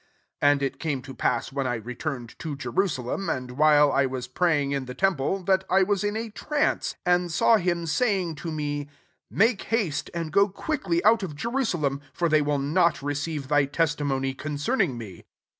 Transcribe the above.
17 And it came to pass when I returned to Jeru salem, and while I was praying in the temple, that 1 was in a trance: 18 and saw him saying to me, 'Make haste, and go quickly out of Jerusalem : for they will not receive thy testi mony concerning me.'